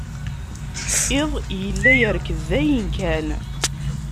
Iḍ yella yerked dayen kan.